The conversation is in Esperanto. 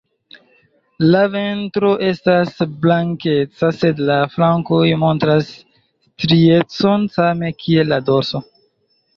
La ventro estas blankeca, sed la flankoj montras striecon same kiel la dorso.